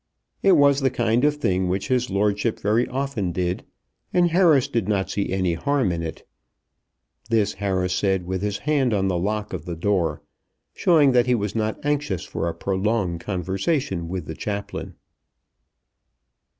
It was the kind of thing which his lordship very often did, and Harris did not see any harm in it. This Harris said with his hand on the lock of the door, showing that he was not anxious for a prolonged conversation with the chaplain.